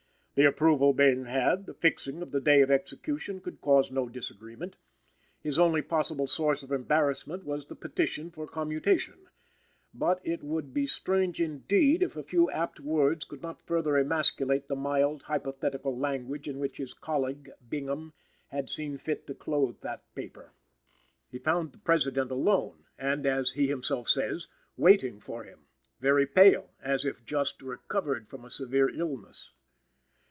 The approval being had, the fixing of the day of execution could cause no disagreement. His only possible source of embarrassment was the petition for commutation. But it would be strange, indeed, if a few apt words could not further emasculate the mild, hypothetical language in which his colleague, Bingham, had seen fit to clothe that paper. He found the President "alone," and (as he himself says) "waiting for" him, "very pale, as if just recovered from a severe illness."